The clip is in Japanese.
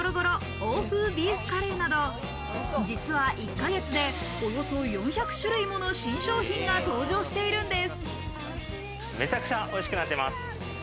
欧風ビーフカレーなど、実は１か月でおよそ４００種類もの新商品が登場しているんです。